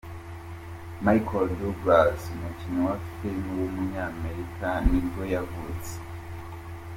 Michael Douglas, umukinnyi wa film w’umunyamerika nibwo yavutse.